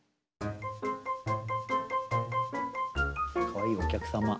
「かわいいお客さま」。